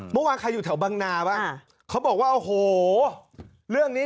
ตำรวจมาหาผมได้เลยครับ